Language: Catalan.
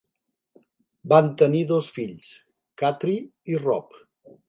Van tenir dos fills: Katri i Rob.